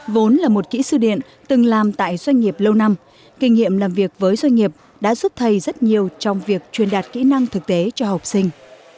vốn là một kỹ sư điện từng làm tại doanh nghiệp lâu năm kinh nghiệm làm việc với doanh nghiệp đã giúp thầy rất nhiều trong việc truyền đạt kỹ năng thực tế cho học sinh